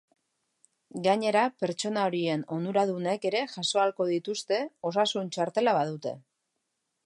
Gainera, pertsona horien onuradunek ere jaso ahalko dituzte, osasun txartela badute.